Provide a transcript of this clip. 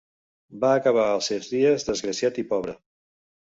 Va acabar els seus dies desgraciat i pobre.